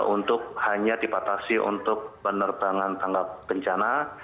untuk hanya dipatasi untuk penerbangan tangga bencana